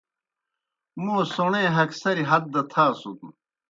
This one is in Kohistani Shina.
موں سوݨے ہگسریْ ہت دہ تھاسُن۔